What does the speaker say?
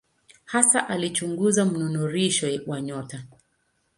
Hasa alichunguza mnururisho wa nyota.